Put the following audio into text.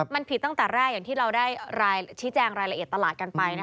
มันผิดตั้งแต่แรกอย่างที่เราได้ชี้แจงรายละเอียดตลาดกันไป